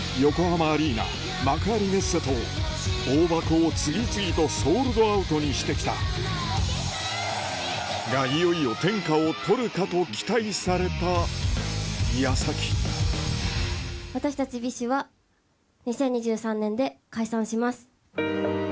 大箱を次々とソールドアウトにして来たがいよいよ天下を取るかと期待された矢先私たちＢｉＳＨは２０２３年で解散します。